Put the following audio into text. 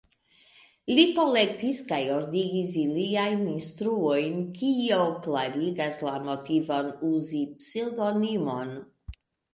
Li kolektis kaj ordigis iliajn instruojn, kio klarigas la motivon uzi pseŭdonimon.